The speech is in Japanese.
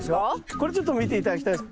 これちょっと見て頂きたいんです。